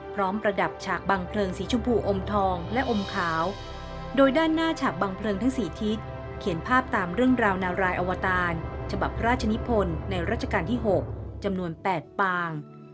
ประดับฉากบังเพลิงสีชมพูอมทองและอมขาวโดยด้านหน้าฉากบังเพลิงทั้ง๔ทิศเขียนภาพตามเรื่องราวนารายอวตารฉบับพระราชนิพลในรัชกาลที่๖จำนวน๘ปาง